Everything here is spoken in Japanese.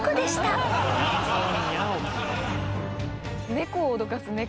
猫を脅かす猫。